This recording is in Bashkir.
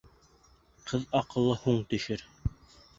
Ҡыҙ аҡылы һуң төшөр